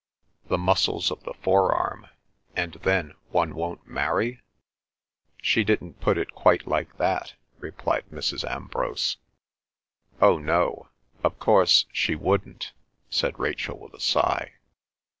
"The muscles of the forearm—and then one won't marry?" "She didn't put it quite like that," replied Mrs. Ambrose. "Oh, no—of course she wouldn't," said Rachel with a sigh.